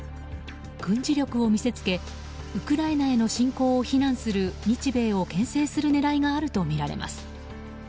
軍事力を見せつけウクライナへの侵攻を非難する日米を牽制する狙いがあるとみられます。